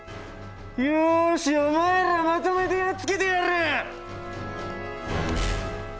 よしお前らまとめてやっつけてやる！